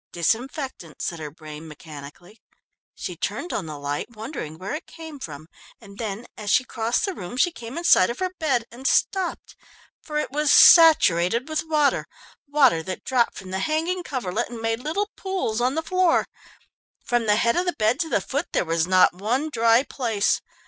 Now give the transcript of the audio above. "Disinfectant," said her brain mechanically. She turned on the light, wondering where it came from. And then as she crossed the room she came in sight of her bed and stopped, for it was saturated with water water that dropped from the hanging coverlet, and made little pools on the floor. From the head of the bed to the foot there was not one dry place.